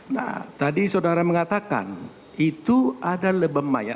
nah tadi saudara mengatakan itu ada lebem mayat